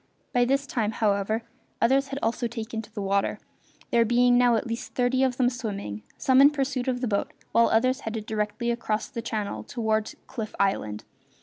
By this time, however, others had also taken to the water, there being now at least thirty of them swimming, some in pursuit of the boat while others headed directly across the channel toward Cliff Island.